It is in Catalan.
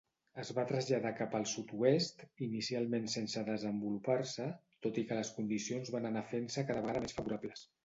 Es va traslladar cap al sud-oest, inicialment sense desenvolupar-se, tot i que les condicions van anar fent-se cada vegada més favorables.